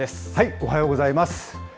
おはようございます。